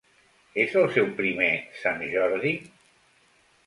És el seu primer Sant Jordi?